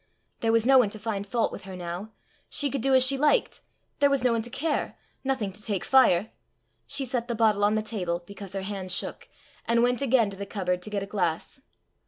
There was no one to find fault with her now! She could do as she liked there was no one to care! nothing to take fire! She set the bottle on the table, because her hand shook, and went again to the cupboard to get a glass.